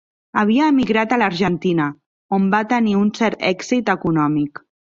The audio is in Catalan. Havia emigrat a l'Argentina, on va tenir un cert èxit econòmic.